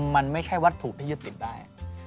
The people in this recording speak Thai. มันไม่ใช่วัตถุที่ยึดติดได้